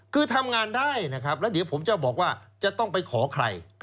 คือทำงานได้นะครับแล้วเดี๋ยวผมจะบอกว่าจะต้องไปขอใคร